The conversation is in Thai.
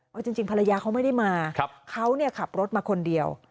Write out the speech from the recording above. เอาจริงภรรยาเขาไม่ได้มาเขาขับรถมาคนเดียว